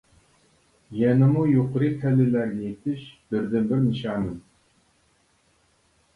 يەنىمۇ يۇقىرى پەللىلەرگە يېتىش بىردىنبىر نىشانىم.